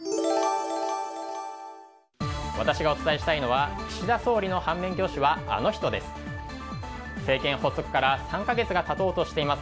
私がお伝えしたいのは岸田総理の反面教師はあの人です。